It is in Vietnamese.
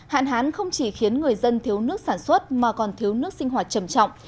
hạn hán không chỉ khiến người dân thiếu nước sản xuất mà còn thiếu nước sinh hoạt trầm trọng